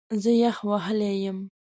زه یخ وهلی یم